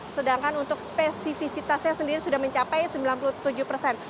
sedangkan untuk spesifisitasnya sendiri sudah mencapai sembilan puluh tujuh persen